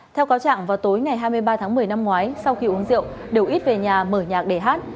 theo cáo trạng vào tối ngày hai mươi ba tháng một mươi năm ngoái sau khi uống rượu đều ít về nhà mở nhạc để hát